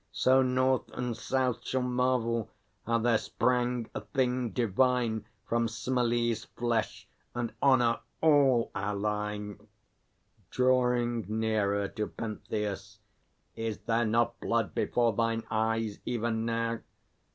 So north and south Shall marvel, how there sprang a thing divine From Semelê's flesh, and honour all our line. [Drawing nearer to PENTHEUS. Is there not blood before thine eyes even now?